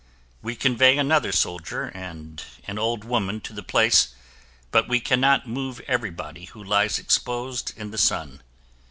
We convey another soldier and an old woman to the place but we cannot move everybody who lies exposed in the sun.